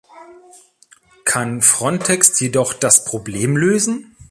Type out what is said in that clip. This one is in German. Kann Frontex jedoch das Problem lösen?